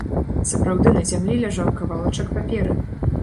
Сапраўды, на зямлі ляжаў кавалачак паперы.